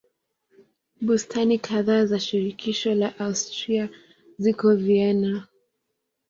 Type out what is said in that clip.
Bustani kadhaa za shirikisho la Austria ziko Vienna.